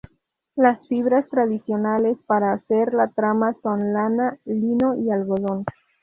Las fibras tradicionales para hacer la trama son lana, lino y algodón.